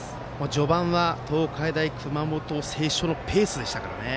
序盤は東海大熊本星翔のペースでしたからね。